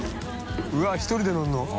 Δ１人で乗るの？